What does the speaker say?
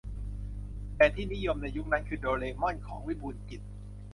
แต่ที่นิยมในยุคนั้นคือโดเรมอน ของวิบูลย์กิจ